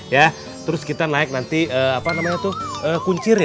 ya terus kita naik nanti apa namanya tuh kuncirnya